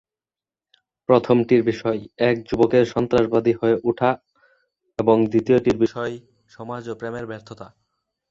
প্রথমটির বিষয়, এক যুবকের সন্ত্রাসবাদী হয়ে ওঠা, এবং দ্বিতীয়টির বিষয়, সমাজ ও প্রেমের ব্যর্থতা।